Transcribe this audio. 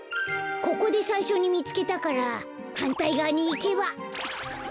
ここでさいしょにみつけたからはんたいがわにいけば。